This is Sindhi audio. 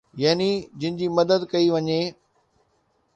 يعني جن جي مدد ڪئي وڃي.